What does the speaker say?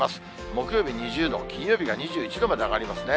木曜日２０度、金曜日が２１度まで上がりますね。